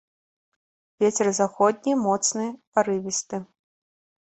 Вецер заходні моцны парывісты.